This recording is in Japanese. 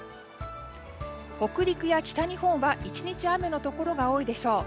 北陸や北日本は１日雨のところが多いでしょう。